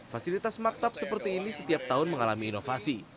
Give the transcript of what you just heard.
fasilitas maktab seperti ini setiap tahun mengalami inovasi